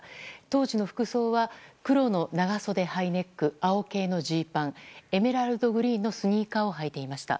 当時の服装は黒のハイネック青系のジーパンエメラルドグリーンのスニーカーを履いていました。